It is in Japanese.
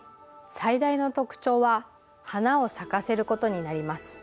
最大の特徴は花を咲かせることになります。